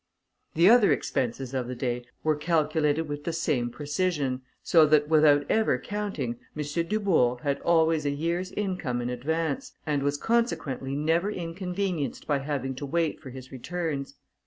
The other expenses of the day were calculated with the same precision, so that, without ever counting, M. Dubourg, had always a year's income in advance, and was consequently never inconvenienced by having to wait for his returns.